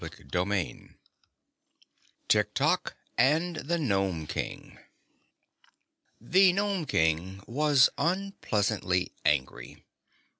TIKTOK AND THE NOME KING The Nome King was unpleasantly angry.